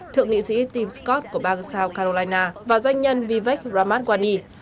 thượng nghị sĩ tim scott của bang south carolina và doanh nhân vivek ramadwani